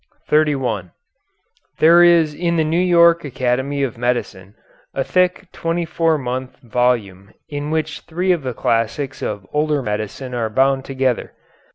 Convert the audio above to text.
] [Footnote 31: There is in the New York Academy of Medicine a thick 24mo volume in which three of the classics of older medicine are bound together.